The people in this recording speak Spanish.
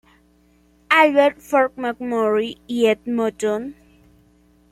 Albert, Fort McMurray y Edmonton.